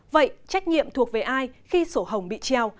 vậy trách nhiệm thuộc về ai khi sổ hồng bị treo